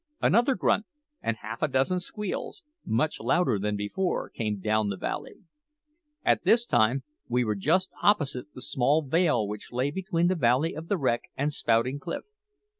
Another grunt and half a dozen squeals, much louder than before, came down the valley. At this time we were just opposite the small vale which lay between the Valley of the Wreck and Spouting Cliff.